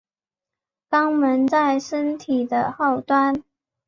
肛门在身体的后端。